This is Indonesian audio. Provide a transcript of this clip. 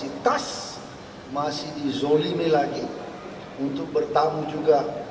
ya se guten bekerja